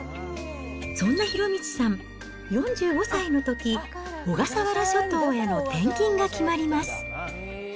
そんな博道さん、４５歳のとき、小笠原諸島への転勤が決まります。